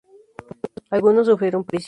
Algunos sufrieron prisión.